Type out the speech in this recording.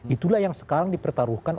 itulah yang sekarang dipertaruhkan